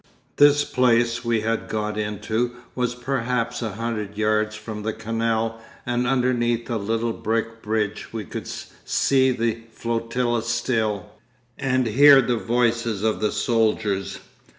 'This place we had got into was perhaps a hundred yards from the canal and underneath a little brick bridge we could see the flotilla still, and hear the voices of the soldiers.